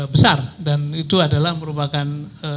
besar dan itu adalah merupakan